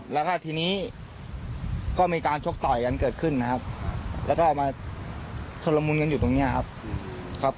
แล้วก็ทีนี้ก็มีการชกต่อยกันเกิดขึ้นนะครับแล้วก็มาชนละมุนกันอยู่ตรงนี้ครับ